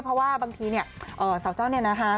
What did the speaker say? เพราะว่าบางทีเนี่ยสาวเจ้าเนี่ยนะคะ